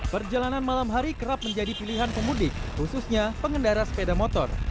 perjalanan malam hari kerap menjadi pilihan pemudik khususnya pengendara sepeda motor